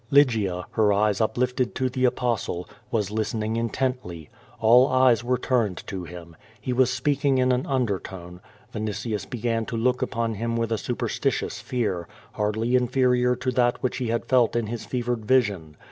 Lygia, her eyes uplifted to the Apostle, was listening in tently. All eyes were turned to him. lie was speaking in an undertone. Vinitius began to look upon him with a super stitious fear, hardly inferior to that which he had felt in his fevered vision.